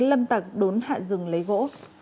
lâm tạc đốn hạ rừng lấy gỗ